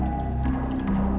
sepertinya di rumah pak husin